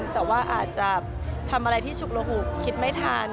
แต่ว่าอาจจะทำอะไรที่ฉุกระหุกคิดไม่ทัน